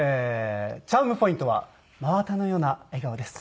チャームポイントは真綿のような笑顔です。